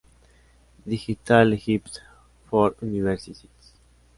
Digital Egypt for Universities